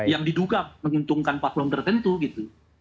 yang diduga menguntungkan paslon tertentu gitu